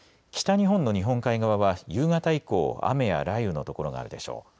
北日本の日本海側は夕方以降雨や雷雨の所があるでしょう。